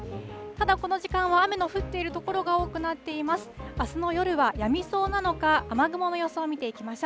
ただこの時間は雨の降っている所が多くなっています。